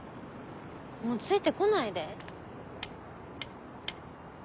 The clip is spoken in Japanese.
もうついて来ないで。